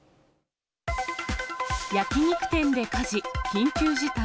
焼き肉店で火事、緊急事態。